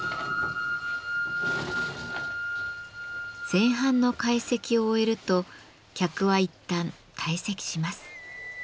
前半の懐石を終えると客はいったん退席します。